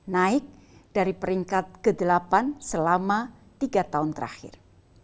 naik dari peringkat ke delapan selama tiga tahun terakhir